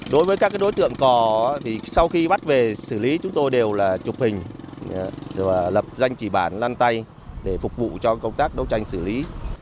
đối với các đối tượng cò thì sau khi bắt về xử lý chúng tôi đều là chụp hình lập danh chỉ bản lăn tay để phục vụ cho công tác đấu tranh xử lý